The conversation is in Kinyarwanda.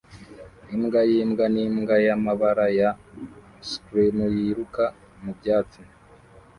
Imbwa yimbwa nimbwa yamabara ya cream yiruka mubyatsi